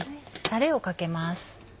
タレをかけます。